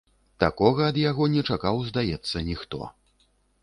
Такога ад яго не чакаў, здаецца, ніхто.